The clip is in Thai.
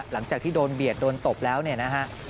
หลังจากที่โดนเบียดโดนตบแล้วเนี่ยนะฮะ